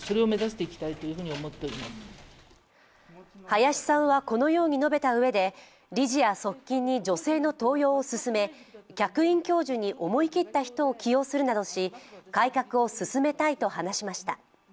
林さんはこのように述べたうえで理事や側近に女性の登用を進め、客員教授に思い切った人を起用するなどし、改革を進めたいと話しました。